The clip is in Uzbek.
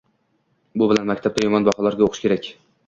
Bu bilan maktabda yomon baholarga o’qish kerak